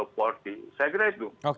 polsi saya kira itu